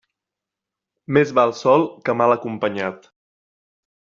Més val sol que mal acompanyat.